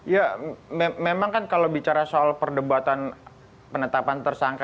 ya memang kan kalau bicara soal perdebatan penetapan tersangka